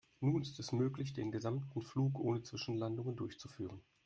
Nun ist es möglich, den gesamten Flug ohne Zwischenlandungen durchzuführen.